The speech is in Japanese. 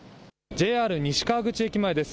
ＪＲ西川口駅前です。